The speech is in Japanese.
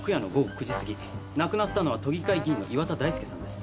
亡くなったのは都議会議員の岩田大介さんです。